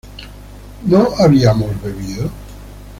¿no habíamos bebido?